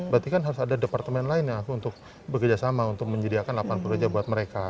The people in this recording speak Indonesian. berarti kan harus ada departemen lain yang harus bekerja sama untuk menyediakan delapan puluh reja buat mereka